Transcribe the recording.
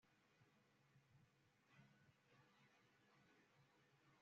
Este nuevo aparato se denominaría Barrón W, por la forma del ala inferior.